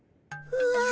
うわ。